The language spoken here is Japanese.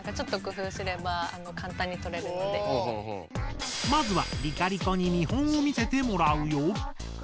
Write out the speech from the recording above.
今はまずはりかりこに見本を見せてもらうよ！